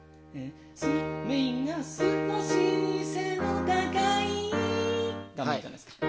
メインが「少し背の高い」があるじゃないですか。